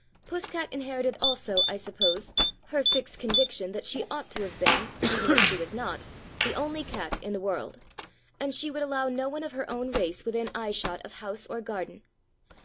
Puss cat inherited also, I suppose, her fixed conviction that she ought to have been, even if she was not, the only cat in the world, and she would allow no one of her own race within eyeshot of house or garden.